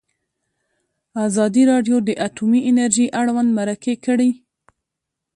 ازادي راډیو د اټومي انرژي اړوند مرکې کړي.